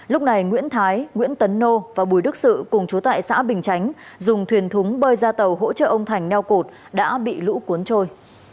lúc này nguyễn thái nguyễn tấn nô và bùi đức sự cùng chú tại xã bình chánh dùng thuyền thúng bơi ra tàu hỗ trợ ông thành neo cột đã bị lũ cuốn trôi